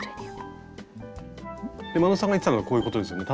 眞野さんが言ってたのはこういうことですよね。